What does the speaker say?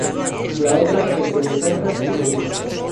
La otra entre Necaxa y Toluca.